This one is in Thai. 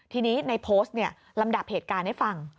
ทีนี้ในโพสต์ลำดับเหตุการณ์ให้ฟัง